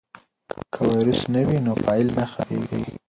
که ویروس نه وي نو فایل نه خرابېږي.